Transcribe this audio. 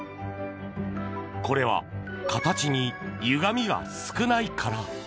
これは形にゆがみが少ないから。